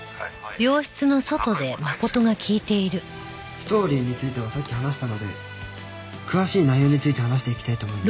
ストーリーについてはさっき話したので詳しい内容について話していきたいと思います。